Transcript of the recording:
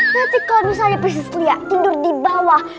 nanti kalau misalnya prinsip lia tidur di bawah